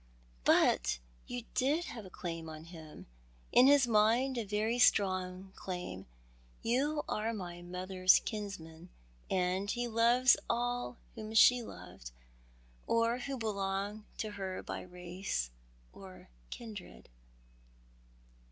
" Oh, but you have a claim upon him — in his mind a very strong claim. You are my mother's kinsman, and he loves all whom she loved, or who belong to her by race or kindred."